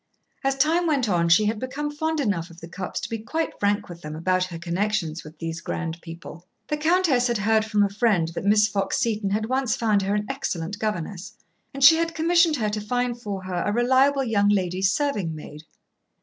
As time went on she had become fond enough of the Cupps to be quite frank with them about her connections with these grand people. The countess had heard from a friend that Miss Fox Seton had once found her an excellent governess, and she had commissioned her to find for her a reliable young ladies' serving maid.